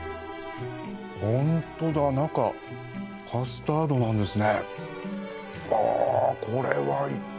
ホントだ中カスタードなんですね。